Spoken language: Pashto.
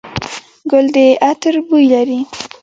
ګل د عطر بوی لري.